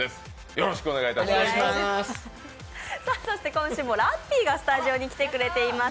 今週もラッピーがスタジオに来てくれています。